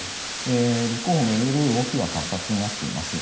立候補を巡る動きは活発になっています。